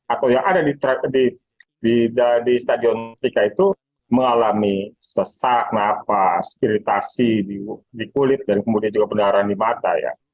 atau yang ada di stadion rika itu mengalami sesak nafas iritasi di kulit dan kemudian juga pendarahan di mata ya